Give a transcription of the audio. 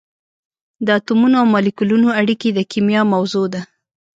د اتمونو او مالیکولونو اړیکې د کېمیا موضوع ده.